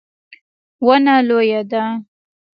ونه لویه ده